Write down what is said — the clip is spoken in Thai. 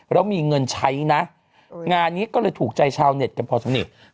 แล้วมีเงินใช้นะงานนี้ก็เลยถูกใจชาวเน็ตกันพอสนิท